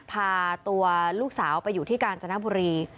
พาตัวลูกสาวไปอยู่ที่กาญจนบุรี